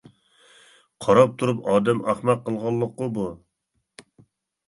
قاراپ تۇرۇپ ئادەم ئەخمەق قىلغانلىققۇ بۇ.